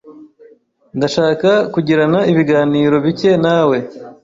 Ndashaka kugirana ibiganiro bike nawe.